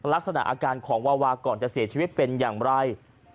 ลักษณะอาการของวาวาก่อนจะเสียชีวิตเป็นอย่างไร